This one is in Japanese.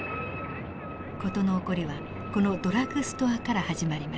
事の起こりはこのドラッグストアから始まります。